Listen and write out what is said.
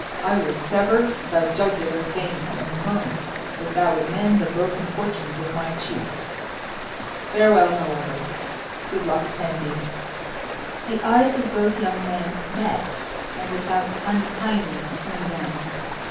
I would sever thy jugular vein in a moment if that would mend the broken fortunes of my chief. Farewell, however. Good luck attend thee." The eyes of both young men met, and without unkindness in them.